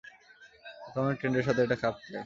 বর্তমানে ট্রেন্ডের সাথেই এটা খাপ খায়!